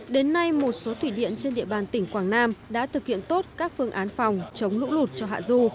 đến nay một số thủy điện trên địa bàn tỉnh quảng nam đã thực hiện tốt các phương án phòng chống lũ lụt cho hạ du